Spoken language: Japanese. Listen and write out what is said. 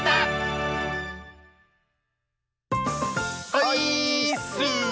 オイーッス！